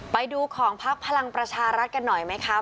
ไปดูของพักพลังประชารัฐกันหน่อยไหมคะ